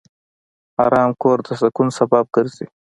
آرام کور د سکون سبب ګرځي.